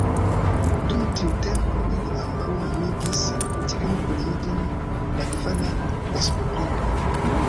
Dum tiu tempo ili ambaŭ nomigis tiun periodon la "kvara Respubliko".